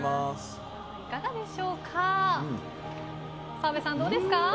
澤部さん、どうですか？